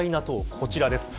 こちらです。